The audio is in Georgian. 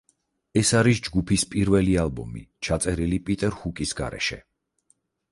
ეს არის ჯგუფის პირველი ალბომი, ჩაწერილი პიტერ ჰუკის გარეშე.